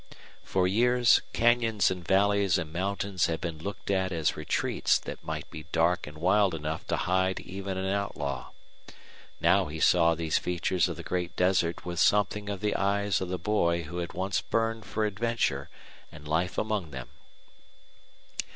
For years canyons and valleys and mountains had been looked at as retreats that might be dark and wild enough to hide even an outlaw; now he saw these features of the great desert with something of the eyes of the boy who had once burned for adventure and life among them.